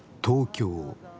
東京。